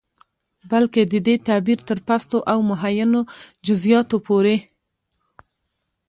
بلکې د دې تعبير تر پستو او مهينو جزيىاتو پورې